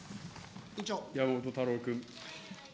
山本太郎君。